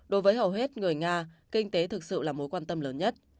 đối với hầu hết người nga kinh tế thực sự là mối quan tâm lớn nhất